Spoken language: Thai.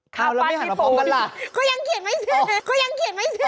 ข้าวปั้นญี่ปุ่นเขายังเขียนไม่เจอ